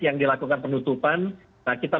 yang dilakukan penutupan nah kita